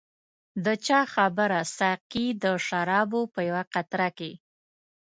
د چا خبره ساقي د شرابو په یوه قطره کې.